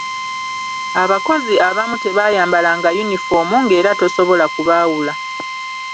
Abakozi abamu tebaayambalanga yunifoomu ng'era tosobola kubaawula.